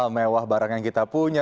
mewah barang yang kita punya